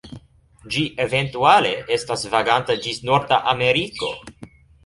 Ĝi eventuale estas vaganta ĝis Norda Ameriko.